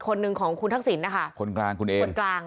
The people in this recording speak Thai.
คนหนึ่งของคุณทักษิณนะคะคนกลางคุณเอคนกลาง